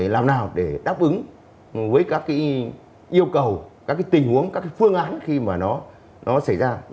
làm nào để đáp ứng với các yêu cầu các tình huống các phương án khi mà nó xảy ra